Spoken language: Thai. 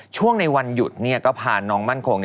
ช่วงในวันหยุดก็พาน้องมั่นคง